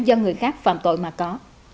do người khác phạm tội mà có